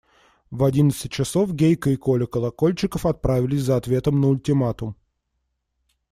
В одиннадцать часов Гейка и Коля Колокольчиков отправились за ответом на ультиматум.